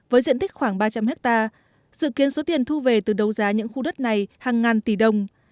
với diện tích khoảng ba trăm linh hectare dự kiến số tiền thu về từ đấu giá những khu đất này hàng ngàn tỷ đồng